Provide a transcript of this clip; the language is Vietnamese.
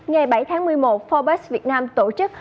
ngày bảy tháng một mươi một forbes việt nam tổ chức